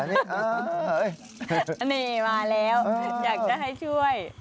นี่มาแล้วอยากจะให้ช่วย